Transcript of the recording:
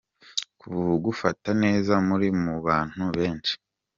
Kugufata neza muri mu bantu benshi.